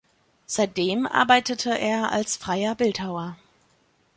Seitdem arbeitete er als freier Bildhauer.